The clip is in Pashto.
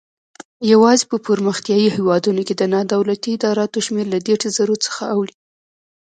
یوازې په پرمختیایي هیوادونو کې د نادولتي ادراراتو شمېر له دېرش زرو څخه اوړي.